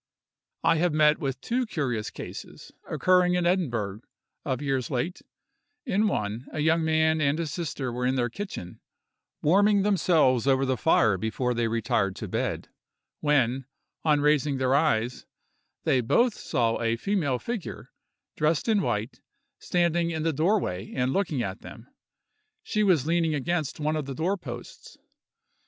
I have met with two curious cases, occurring in Edinburgh, of late years; in one, a young man and his sister were in their kitchen, warming themselves over the fire before they retired to bed, when, on raising their eyes, they both saw a female figure, dressed in white, standing in the door way and looking at them; she was leaning against one of the door posts.